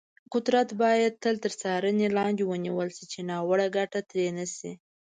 قدرت باید تل تر څارنې لاندې ونیول شي، چې ناوړه ګټه ترې نه شي.